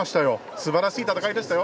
すばらしい戦いでしたよ。